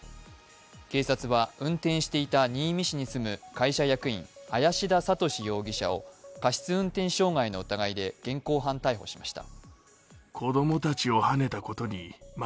警察は運転していた新見市に住む会社役員、林田覚容疑者を過失致傷の疑いで現行犯逮捕しました。